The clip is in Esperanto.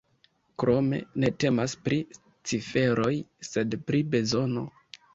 Krome ne temas pri ciferoj, sed pri bezono.